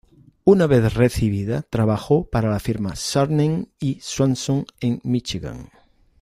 Una vez recibida trabajó para la firma de Saarinen y Swanson en Michigan.